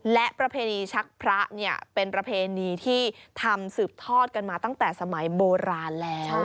และประเพณีชักพระเนี่ยเป็นประเพณีที่ทำสืบทอดกันมาตั้งแต่สมัยโบราณแล้ว